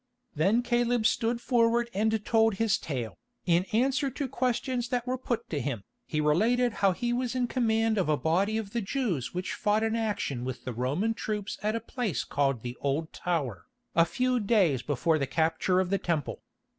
Then Caleb stood forward and told his tale. In answer to questions that were put to him, he related how he was in command of a body of the Jews which fought an action with the Roman troops at a place called the Old Tower, a few days before the capture of the Temple.